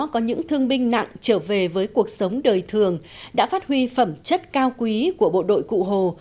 kinh nặng trở về với cuộc sống đời thường đã phát huy phẩm chất cao quý của bộ đội cụ hồ